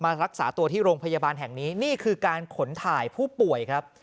รักษาตัวที่โรงพยาบาลแห่งนี้นี่คือการขนถ่ายผู้ป่วยครับ